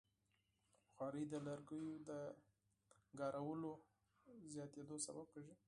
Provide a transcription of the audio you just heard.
بخاري د لرګیو د مصرف زیاتیدو سبب کېږي.